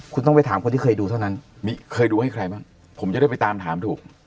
คุณต้องไปถามคนที่เคยดูเท่านั้นเคยดูให้ใครบ้างผมจะได้ไปตามถามถูก